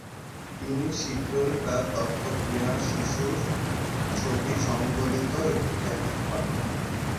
তিনি শীঘ্রই তার দত্তক নেয়া শিশুর ছবি সংবলিত একটি প্যাকেজ পান।